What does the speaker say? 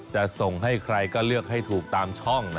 จะส่งให้ใครก็เลือกให้ถูกตามช่อง